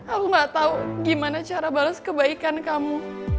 aku gak tau gimana cara balas kebaikan kamu